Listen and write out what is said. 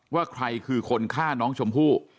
ว่าใครคือคนฆ่าน้องชมพู่